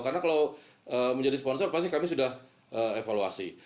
karena kalau menjadi sponsor pasti kami sudah evaluasi